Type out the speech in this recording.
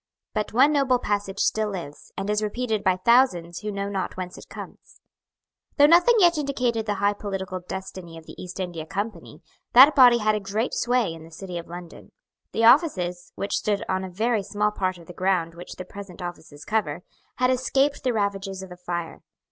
But one noble passage still lives, and is repeated by thousands who know not whence it comes. Though nothing yet indicated the high political destiny of the East India Company, that body had a great sway in the City of London. The offices, which stood on a very small part of the ground which the present offices cover, had escaped the ravages of the fire.